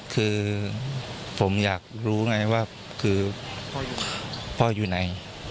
คือผมอยากรู้ไงว่าคือพ่ออยู่ไหน